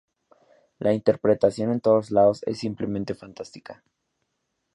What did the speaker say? La interpretación en todos lados es simplemente fantástica.